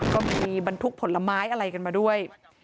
ก็มีบรรทุกผลม้ายอะไรกันมาด้วย